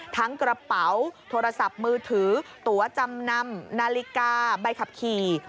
กระเป๋าโทรศัพท์มือถือตัวจำนำนาฬิกาใบขับขี่